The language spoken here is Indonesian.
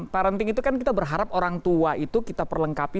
parenting itu kan kita berharap orang tua itu kita perlengkapi